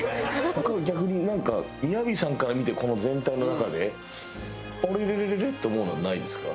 逆になんか雅さんから見てこの全体の中であれれれれれ？って思うのはないですか？